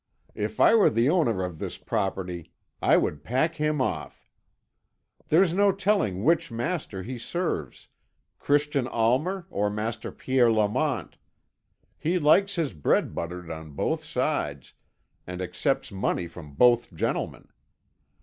If I were the owner of this property I would pack him off. There's no telling which master he serves Christian Almer or Master Pierre Lamont. He likes his bread buttered on both sides, and accepts money from both gentlemen.